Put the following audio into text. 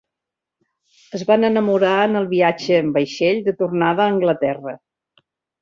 Es van enamorar en el viatge en vaixell de tornada a Anglaterra.